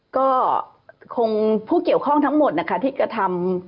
ก็คงผู้เกี่ยวข้องทั้งหมดนะคะที่กระทำ